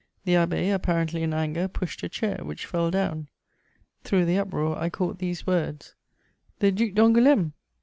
The abbé, apparently in anger, pushed a chair, which fell down. Through the uproar I caught these words: "The Duc d'Angoulême?